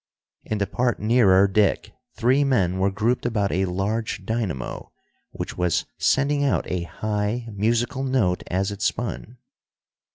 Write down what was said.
In the part nearer Dick three men were grouped about a large dynamo, which was sending out a high, musical note as it spun.